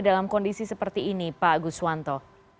dalam kondisi seperti ini pak guswanto